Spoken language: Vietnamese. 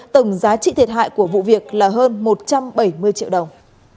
tổng giá trị thiệt hại của vụ việc là hơn một trăm bảy mươi triệu đồng